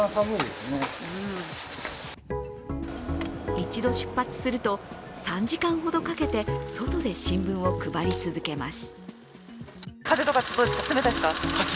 一度出発すると、３時間ほどかけて外で新聞を配り続けます。